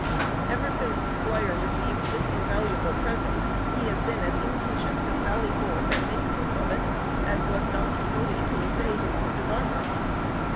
Ever since the squire received this invaluable present he has been as impatient to sally forth and make proof of it as was Don Quixote to assay his suit of armour.